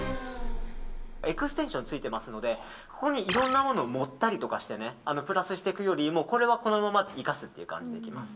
エクステンションついていますのでここにいろんなものを盛ったりしてプラスしていくよりこれはこのまま生かすという感じでいきます。